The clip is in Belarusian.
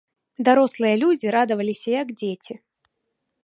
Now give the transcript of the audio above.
Дарослыя людзі радаваліся, як дзеці.